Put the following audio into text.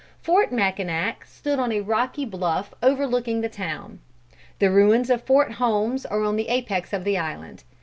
Fort Mackinac stood on a rocky bluff overlooking the town. The ruins of Fort Holmes are on the apex of the island.